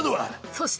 そして！